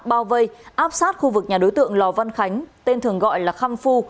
bao vây áp sát khu vực nhà đối tượng lò văn khánh tên thường gọi là kham phu